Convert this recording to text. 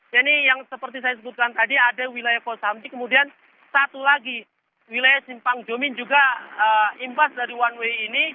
ya ini yang seperti saya sebutkan tadi ada wilayah kosambi kemudian satu lagi wilayah simpang jomin juga imbas dari one way ini